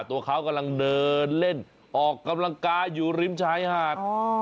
ตัวเขากำลังเดินเล่นออกกำลังกายอยู่ริมชายหาด